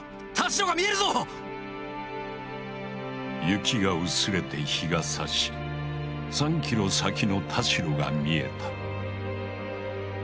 雪が薄れて日がさし３ｋｍ先の田代が見えた。